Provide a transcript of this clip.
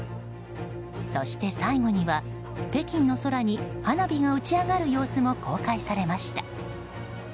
そして最後には、北京の空に花火が打ち上がる様子も公開されました。